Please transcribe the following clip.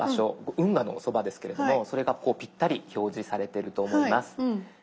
運河のそばですけれどもそれがぴったり表示されてると思います。